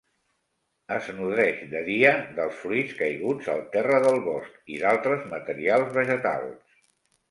Es nodreix, de dia, dels fruits caiguts al terra del bosc i d'altres matèries vegetals.